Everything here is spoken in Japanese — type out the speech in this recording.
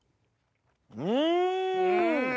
うん！